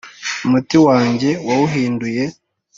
umutima wanjye wawuhinduye